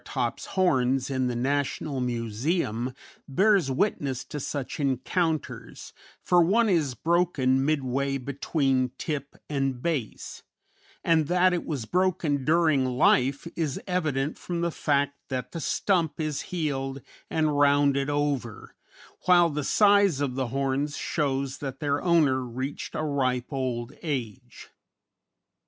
M. Gleeson._] A pair of Triceratops horns in the National Museum bears witness to such encounters, for one is broken midway between tip and base; and that it was broken during life is evident from the fact that the stump is healed and rounded over, while the size of the horns shows that their owner reached a ripe old age.